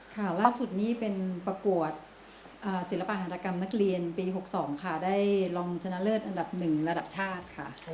หลังสุดนี้เป็นที่ประกวดศิลปนานมักเรียนปี๖๒ได้รองชนะเลิศอันดับ๑ระดับชาติ